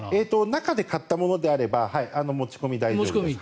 中で買ったものであれば持ち込みは大丈夫です。